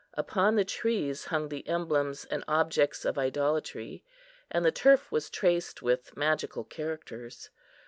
Upon the trees hung the emblems and objects of idolatry, and the turf was traced with magical characters.